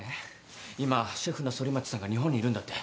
今シェフの反町さんが日本にいるんだって。